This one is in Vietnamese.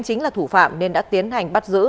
chính là thủ phạm nên đã tiến hành bắt giữ